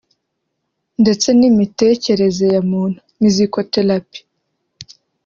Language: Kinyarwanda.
ndetse n’imitekereze ya muntu (Musicothérapie)